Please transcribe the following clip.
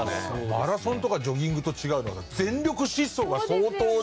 マラソンとかジョギングと違うのは全力疾走が相当な。